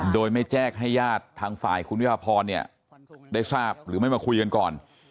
โดยไม่แจ้งให้ญาติทางฝ่ายคุณวิภาพรเนี่ยได้ทราบหรือไม่มาคุยกันก่อน